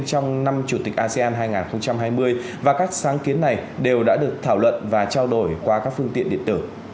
trong năm chủ tịch asean hai nghìn hai mươi và các sáng kiến này đều đã được thảo luận và trao đổi qua các phương tiện điện tử